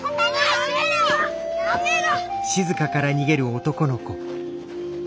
やめろ！